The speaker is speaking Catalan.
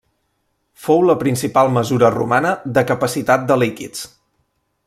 Fou la principal mesura romana de capacitat de líquids.